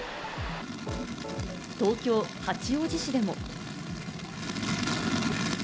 東京・八王子市でも。